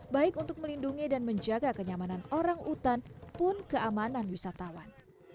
baik untuk melindungi dan menjaga kenyamanan orang hutan pun keamanan wisatawan